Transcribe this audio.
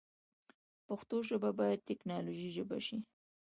پښتو ژبه باید د تکنالوژۍ ژبه شی